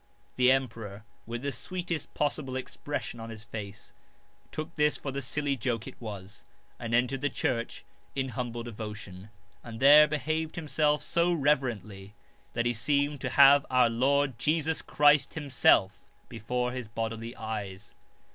The em peror, with the sweetest possible expression on his face, took this for the silly joke it was, and entered the church in humble devotion, and there behaved 157 STRACHOLF IN PERIL himself so reverently that he seemed to have our Lord Jesus Christ Himself before his bodily eyes.